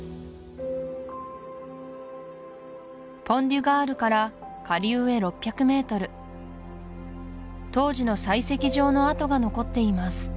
ポン・デュ・ガールから下流へ６００ｍ当時の採石場の跡が残っています